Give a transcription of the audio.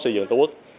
xây dựng tổ quốc